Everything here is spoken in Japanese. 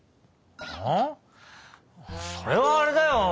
うん？それはあれだよ。